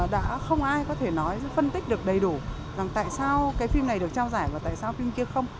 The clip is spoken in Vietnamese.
đã không ai có thể nói phân tích được đầy đủ rằng tại sao cái phim này được trao giải và tại sao phim kia không